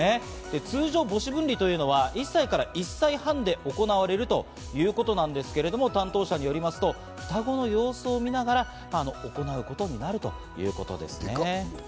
通常、母子分離というのは１歳から１歳半で行われるということなんですけれども、担当者によりますと、双子の様子を見ながら行うことになるということですね。